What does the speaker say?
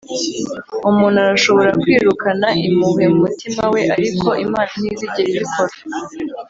umuntu arashobora kwirukana impuhwe mu mutima we, ariko imana ntizigera ibikora